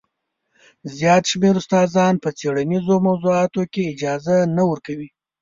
زیات شمېر استادان په څېړنیزو موضوعاتو کې اجازه نه ورکوي.